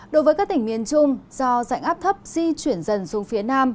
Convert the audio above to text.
đối với các tỉnh miền trung do dạnh áp thấp di chuyển dần xuống phía nam